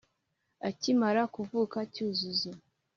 Ukimara kuvuka Cyuzuzo